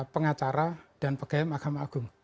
pengacara dan pegawai mahkamah agung